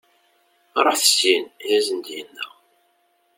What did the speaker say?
Ruḥet syin, i asen-d-yenna.